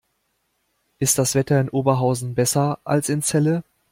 Ist das Wetter in Oberhausen besser als in Celle?